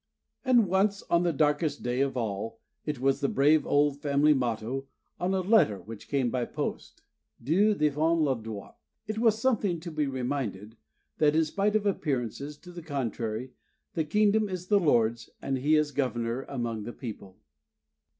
And once, on the darkest day of all, it was the brave old family motto, on a letter which came by post: "Dieu défend le droit." It was something to be reminded that, in spite of appearances to the contrary, the kingdom is the Lord's, and He is Governor among the people.